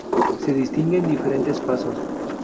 Se distinguen diferentes pasos.